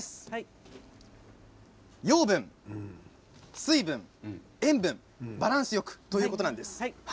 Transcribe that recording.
養分、水分、塩分バランスよくということです。